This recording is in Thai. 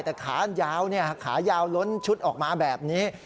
แต่ขายาวร้นชุดออกมาแบบนี้